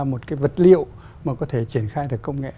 một cái vật liệu mà có thể triển khai được công nghệ